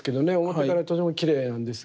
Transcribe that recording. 表側とてもきれいなんですが。